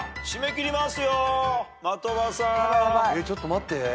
ちょっと待って。